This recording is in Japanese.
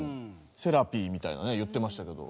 セラピーみたいなね言ってましたけど。